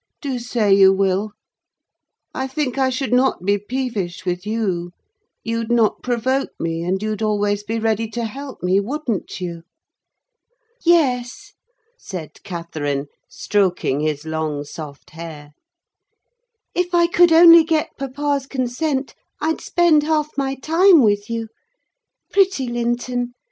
Do say you will. I think I should not be peevish with you: you'd not provoke me, and you'd always be ready to help me, wouldn't you?" "Yes," said Catherine, stroking his long soft hair, "if I could only get papa's consent, I'd spend half my time with you. Pretty Linton!